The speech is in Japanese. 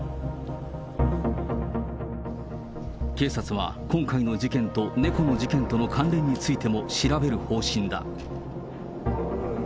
警察は、今回の事件と猫の事件との関連についても調べる方針だ。